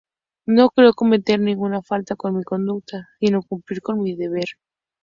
No creo cometer ninguna falta con mi conducta, sino cumplir con mi deber.